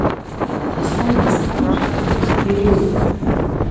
Ахаан исхамышҭуа ахҭысқәа иреиуоуп…